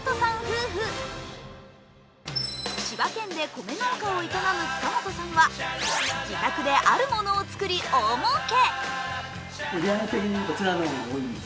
千葉県で米農家を営む塚本さんは自宅であるものを作り大もうけ。